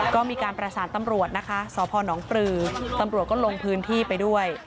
ก็มีการประสานตำรวจนะคะสพนปลือตำรวจก็ลงพื้นที่ไปด้วย